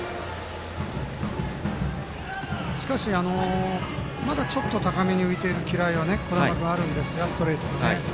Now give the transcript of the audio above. しかし、まだちょっと高めに浮いている感じが小玉君あるんですが、ストレート。